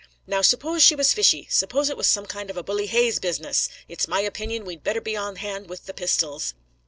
Now, suppose she was fishy; suppose it was some kind of a Bully Hayes business! It's my opinion we'd better be on hand with the pistols."